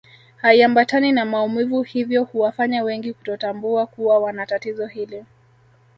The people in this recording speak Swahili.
Haiambatani na maumivu hivyo huwafanya wengi kutotambua kuwa wana tatizo hili